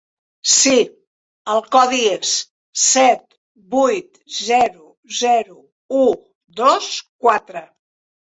Sí, el codi és: set vuit zero zero u dos quatre.